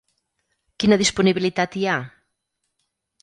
Quina disponibilitat hi ha?